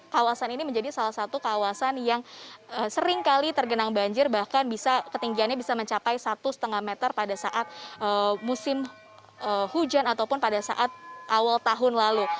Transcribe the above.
kawasan ini menjadi salah satu kawasan yang sering kali tergenang banjir bahkan bisa ketinggiannya bisa mencapai satu lima meter pada saat musim hujan ataupun pada saat awal tahun lalu